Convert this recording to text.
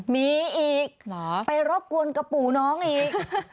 มีอีกไปรบกวนกระปู่น้องอีก